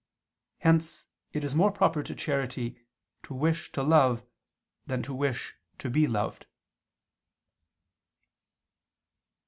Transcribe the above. Hence it is more proper to charity to wish to love than to wish to be loved.